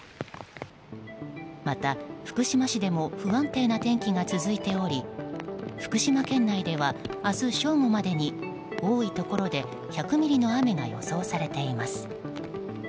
また、福島市でも不安定な天気が続いており福島県内では、明日正午までに多いところで１００ミリの雨が予想されています。